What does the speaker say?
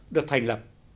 được thành lập